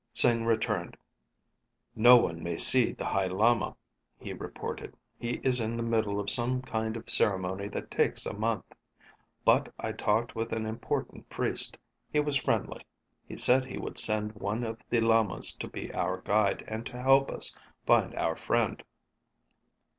Sing returned. "No one may see the High Lama," he reported. "He is in the middle of some kind of ceremony that takes a month. But I talked with an important priest. He was friendly. He said he would send one of the lamas to be our guide and to help us find your friend."